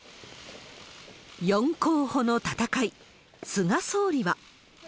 ４候補の戦い、菅総理は。